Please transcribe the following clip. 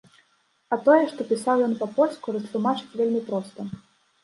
А тое, што пісаў ён па-польску, растлумачыць вельмі проста.